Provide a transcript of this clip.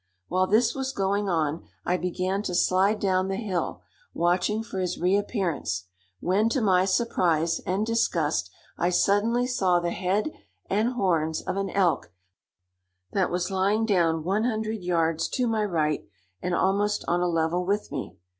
While this was going on I began to slide down the hill, watching for his reappearance, when to my surprise and disgust I suddenly saw the head and horns of an elk that was lying down one hundred yards to my right and almost on a level with me.